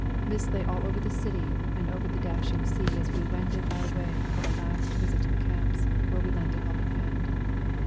Mists lay all over the city and over the dashing sea as we wended our way for a last visit to the camps, where we lent a helping hand.